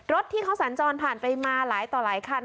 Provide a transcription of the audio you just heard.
รถที่เขาสัญจรผ่านไปมาหลายต่อหลายคัน